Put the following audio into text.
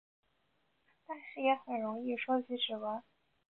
但是也很容易收集指纹。